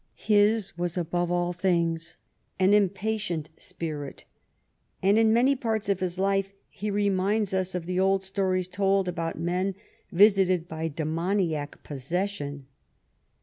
His was, above all things, an impati^t ^» 226 THE BEIGN OF QUSEN ANNE spirit^ and in many parts of his life he reminds us of the old stories told about men visited by demoniac possession.